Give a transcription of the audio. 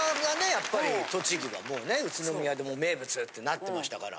やっぱり栃木はもうね宇都宮でもう名物ってなってましたから。